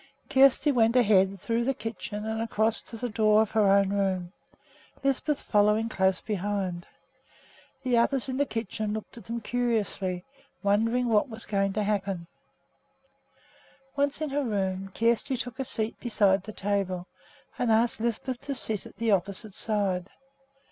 Kjersti went ahead, through the kitchen and across to the door of her own room, Lisbeth following close behind her. The others in the kitchen looked at them curiously, wondering what was going to happen. Once in her room, Kjersti took a seat beside the table and asked Lisbeth to sit at the opposite side.